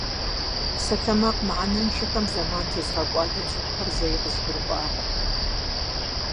Псалъэмакъ мыхьэнэншэхэм зэман тезыгъэкӀуадэ цӀыхухэр зэи къызгурыӀуакъым.